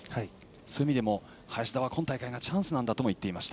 そういう意味でも林田は今回がチャンスなんだと言っていました。